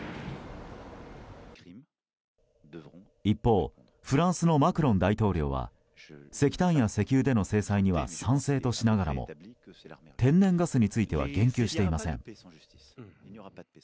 一方、フランスのマクロン大統領は石炭や石油での制裁には賛成としながらも天然ガスについては言及していません。